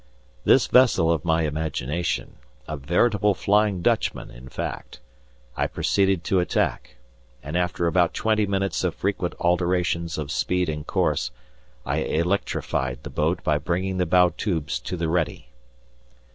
This vessel of my imagination, a veritable Flying Dutchman in fact, I proceeded to attack, and, after about twenty minutes of frequent alterations of speed and course, I electrified the boat by bringing the bow tubes to the ready.